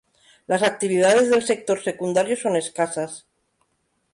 Las actividades del sector secundario son escasas.